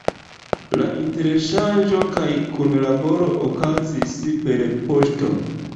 La interŝanĝo kaj kunlaboro okazis per poŝto.